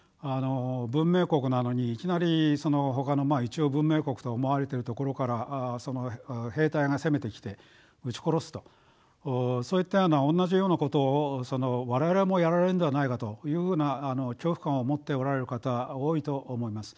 文明国なのにいきなりほかの一応文明国と思われてる所から兵隊が攻めてきて撃ち殺すとそういったような同じようなことを我々もやられるんではないかというふうな恐怖感を持っておられる方多いと思います。